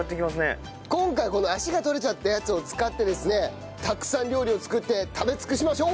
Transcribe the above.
今回この脚が取れちゃったやつを使ってですねたくさん料理を作って食べ尽くしましょう！